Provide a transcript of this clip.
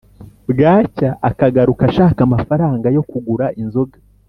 bwacya akagaruka ashaka amafaranga yo kugura inzoga